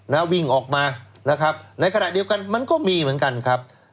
นะวิ่งออกมานะครับในขณะเดียวกันมันก็มีเหมือนกันครับ